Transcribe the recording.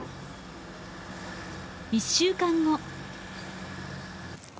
１週間後。